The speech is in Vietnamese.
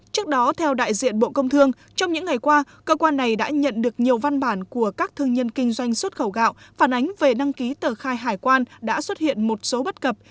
trước đó theo đại diện bộ công thương trong những ngày qua cơ quan này đã nhận được nhiều văn bản của các thương nhân kinh doanh xuất khẩu gạo phản ánh về năng ký tờ khai hải quan đã xuất hiện một số bất cập